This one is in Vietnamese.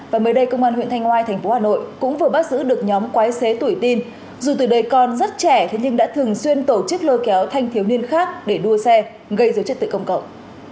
và mới đây công an huyện thanh ngoai thành phố hà nội cũng vừa bác sử được nhóm quái xế tuổi tin dù từ đời con rất trẻ thế nhưng đã thường xuyên tổ chức lơ kéo thanh thiếu niên khác để đua xe gây dấu chất tự công cộng